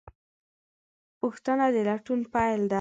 پوښتنه د لټون پیل ده.